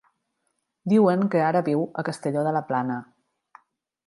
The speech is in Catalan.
Diuen que ara viu a Castelló de la Plana.